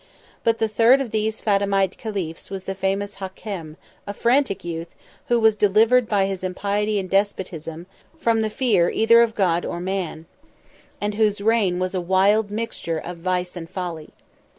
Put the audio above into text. But the third of these Fatimite caliphs was the famous Hakem, 67 a frantic youth, who was delivered by his impiety and despotism from the fear either of God or man; and whose reign was a wild mixture of vice and folly.